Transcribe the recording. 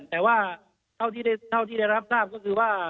แต่ว่าเท่าที่ได้รับทราบก็คือว่า